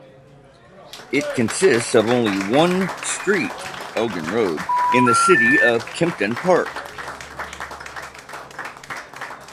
It consists of only one street (Elgin Road) in the city of Kempton Park.